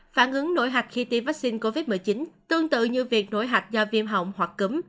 phản ứng nổi hạch khi tiêm vaccine covid một mươi chín tương tự như việc nổi hạch do viêm họng hoặc cứng